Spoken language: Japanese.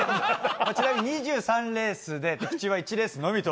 ちなみに２３レースで的中は１レースのみと。